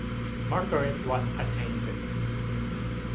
Margaret was attainted.